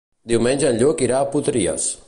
Diumenge en Lluc irà a Potries.